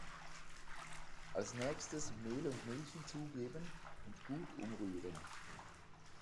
Als nächstes Mehl und Milch hinzugeben und gut umrühren.